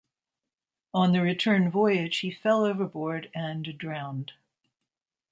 On the return voyage he fell overboard and drowned.